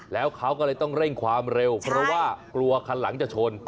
แล้วเขาก็เลยต้องเร่งความเร็วเพราะว่ากลัวคันหลังจะชน